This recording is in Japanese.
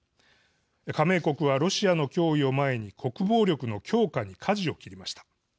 加盟国は、ロシアの脅威を前に国防力の強化にかじを切りました。